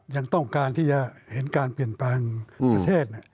ยังต้องการที่จะเห็นการเปลี่ยนแปลงประเทศ